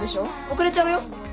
遅れちゃうよ。